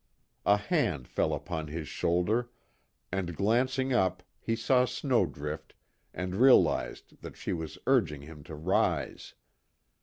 A hand fell upon his shoulder, and glancing up he saw Snowdrift and realized that she was urging him to rise.